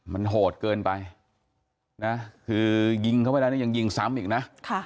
มันโหดเกินไปยิงเขาเวลานี้ยังยิงซ้ำอีกนะ